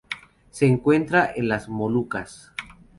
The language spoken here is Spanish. Se encuentra en las Molucas.